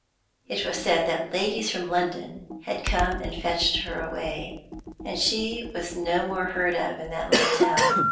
It was said that ladies from London had come and fetched her away, and she was no more heard of in that little town.